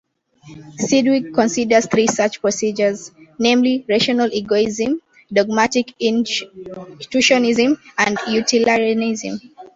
Sidgwick considers three such procedures, namely, rational egoism, dogmatic intuitionism, and utilitarianism.